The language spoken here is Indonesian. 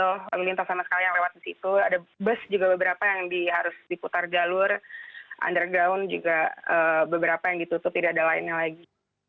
ada bus juga beberapa yang harus diputar galur underground juga beberapa yang ditutup tidak ada lainnya lagi